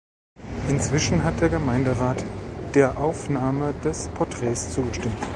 Inzwischen hat der Gemeinderat der Aufnahme des Portraits zugestimmt.